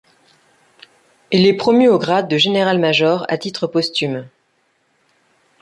Il est promu au grade de Generalmajor à titre posthume.